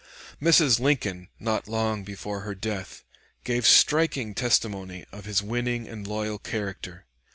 Mrs. Lincoln, not long before her death, gave striking testimony of his winning and loyal character.